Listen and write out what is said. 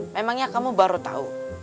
memangnya kamu baru tahu